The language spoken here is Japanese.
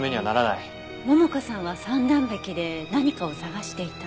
桃香さんは三段壁で何かを捜していた。